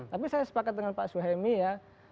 tapi saya sepakat dengan pak suhaimi ya